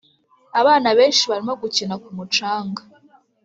abana benshi barimo gukina ku mucanga.